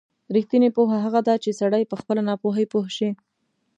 رښتینې پوهه هغه ده چې سړی په خپله ناپوهۍ پوه شي.